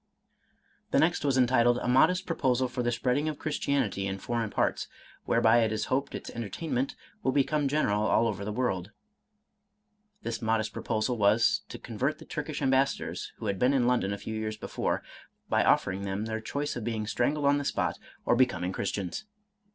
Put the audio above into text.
The next was entitled, "A modest proposal for the spreading of Christianity in foreign parts, whereby it is hoped its entertainment will become general all over the world." — ^This modest proposal was, to convert the Turk ish ambassadors (who had been in London a few years before), by offering them their choice of being strangled on the spot, or becoming Christians.